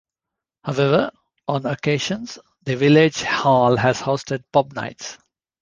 However, on occasions the village hall has hosted 'pub nights'.